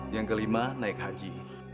yang kelima naik haji